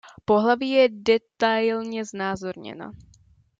Pohlaví je detailně znázorněno.